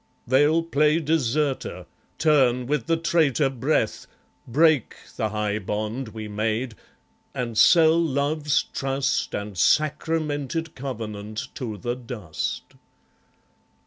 They'll play deserter, turn with the traitor breath, Break the high bond we made, and sell Love's trust And sacramented covenant to the dust.